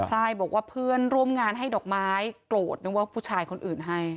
ใช่บอกว่าเพื่อนร่วมงานให้ดอกไม้โกรธนึกว่าผู้ชายคนอื่นให้